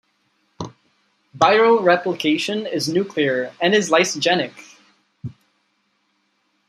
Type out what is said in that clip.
Viral replication is nuclear, and is lysogenic.